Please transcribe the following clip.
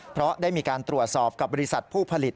เพราะได้มีการตรวจสอบกับบริษัทผู้ผลิต